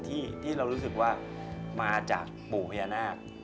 ที่เรารู้สึกว่ามาจากปู่พญานาค